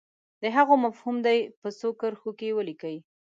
د هغو مفهوم دې په څو کرښو کې ولیکي.